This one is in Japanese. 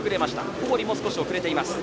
小堀も少し遅れています。